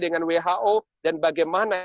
dengan who dan bagaimana